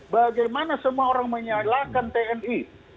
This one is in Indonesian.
bagaimana semua orang menyalahkan tni